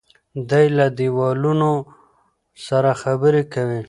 دی له دیوالونو سره خبرې کوي.